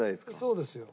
そうですよ。